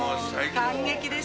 感激です。